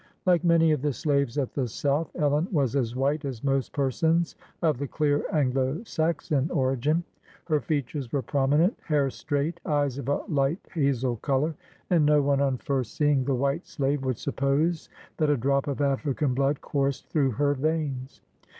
Like many of the slaves at the South, Ellen was as white as most persons of the clear Anglo Saxon origin. Her fea tures were prominent, hair straight, eyes of a light hazel color, and no one on first seeing the white slave would suppose that a drop of African blood coursed through her veins.